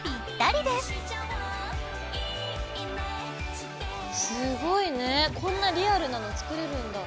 すごいねこんなリアルなの作れるんだ。